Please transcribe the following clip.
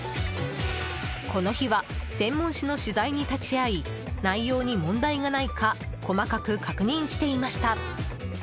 この日は専門誌の取材に立ち会い内容に問題がないか細かく確認していました。